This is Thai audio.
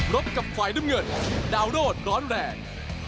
บกับฝ่ายน้ำเงินดาวโรดร้อนแรง